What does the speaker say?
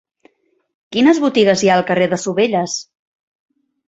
Quines botigues hi ha al carrer de Sovelles?